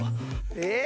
えっ？